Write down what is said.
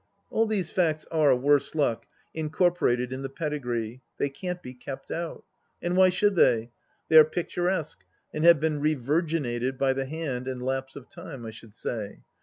All these facts are, worse luck, incorporated in the pedi gree ; they can't be kept out. And why should they ? They are picturesque, and have been revirginated by the hand and lapse of time, I should say.